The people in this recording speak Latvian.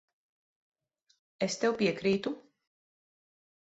Es tev piekrītu.